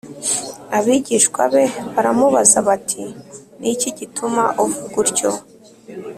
Abigishwa be baramubaza bati Ni iki gituma uvuga utyo